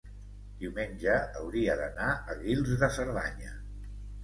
diumenge hauria d'anar a Guils de Cerdanya.